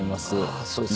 そうですか。